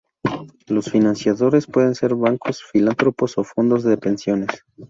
Los financiadores pueden ser bancos, filántropos o fondos de pensiones.